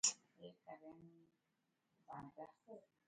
These are also resupinate and usually twisted to one side.